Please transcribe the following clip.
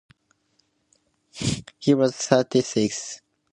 He was thirty-six.